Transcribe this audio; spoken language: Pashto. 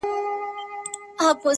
او یوازي هغه څوک هلته پایېږي-